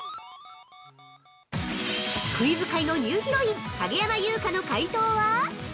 クイズ界のニューヒロイン影山優佳の解答は？